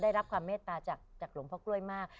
ได้รับความเมตตาจากหลวงพ่อกล้วยมาก